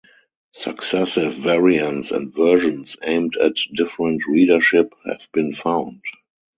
Successive variants and versions aimed at different readership have been found.